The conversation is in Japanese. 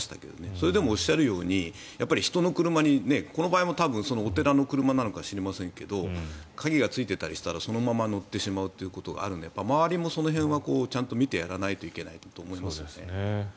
それでもおっしゃるように人の車にこれもお寺の車なのか知りませんけど鍵がついていたりしたらそのまま乗ってしまうということがあるので周りはその辺も見てあげないといけないと思いますね。